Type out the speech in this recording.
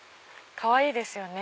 かわいいですよね。